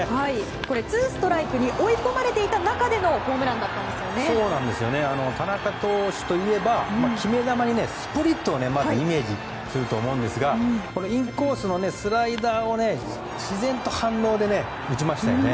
これ、ツーストライクに追い込まれていた中の田中投手といえば決め球にスプリットをイメージすると思うんですがインコースのスライダーを自然と反応で打ちましたよね。